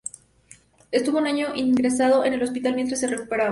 Estuvo un año ingresado en un hospital mientras se recuperaba.